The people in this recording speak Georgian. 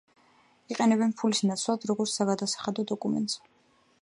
იყენებენ ფულის ნაცვლად, როგორც საგადასახდელო დოკუმენტს.